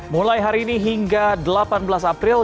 mulai hari ini hingga delapan belas april